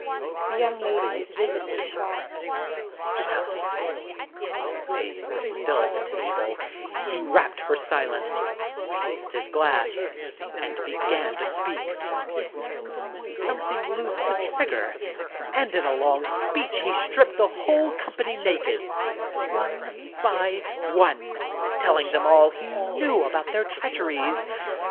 [The YouNO Lady is visibly shocked] Well, while they were still at the table, he rapped for silence, raised his glass, and began to speak Then something loosed the trigger, and in a long speech he stripped the whole company naked, one by one, telling them all he knew about their treacheries.